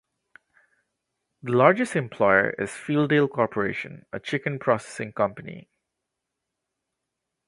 The largest employer is Fieldale Corporation, a chicken processing company.